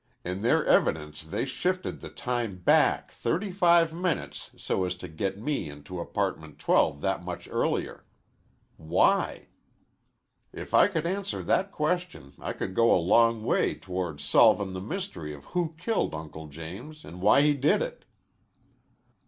In their evidence they shifted the time back thirty five minutes so as to get me into Apartment 12 that much earlier. Why? If I could answer that question, I could go a long way toward solvin' the mystery of who killed Uncle James an' why he did it."